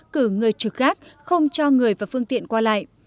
cử người trực gác không cho người và phương tiện qua lại